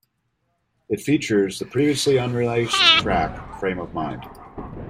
It features the previously unreleased track, "Frame of Mind".